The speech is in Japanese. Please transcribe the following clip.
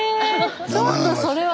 ちょっとそれは。